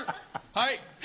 はい。